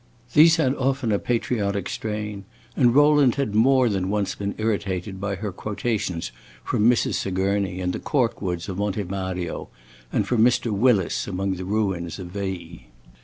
These had often a patriotic strain, and Rowland had more than once been irritated by her quotations from Mrs. Sigourney in the cork woods of Monte Mario, and from Mr. Willis among the ruins of Veii.